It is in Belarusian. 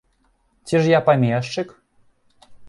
Ці ж я памешчык?